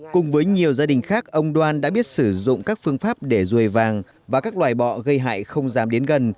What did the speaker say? cùng với nhiều gia đình khác ông đoan đã biết sử dụng các phương pháp để ruồi vàng và các loài bọ gây hại không dám đến gần